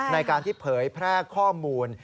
ในการที่เผยแพร่ข้อมูล